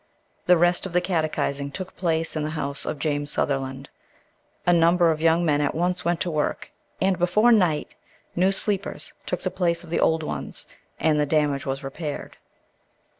The rest of the catechizing took place in the house of James Sutherland. A number of the young men at once went to work, and before night new "sleepers" took the place of the old ones, and the damage was repaired.